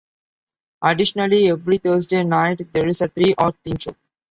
Additionally, every Thursday night there is a three-hour theme show.